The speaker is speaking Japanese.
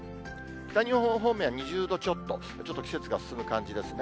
北日本方面は２０度ちょっと、ちょっと季節が進む感じですね。